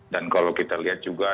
dan kalau kita lihat juga